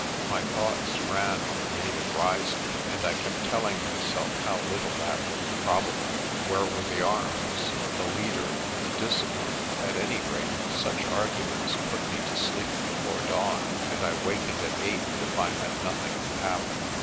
My thoughts ran on a native rising, and I kept telling myself how little that was probable. Where were the arms, the leader, the discipline? At any rate such arguments put me to sleep before dawn, and I wakened at eight to find that nothing had happened.